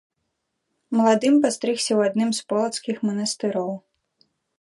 Маладым пастрыгся ў адным з полацкіх манастыроў.